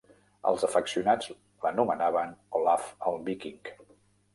Els afeccionats l'anomenaven "Olav el Víking".